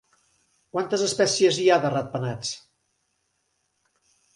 Quantes espècies hi ha de ratpenats?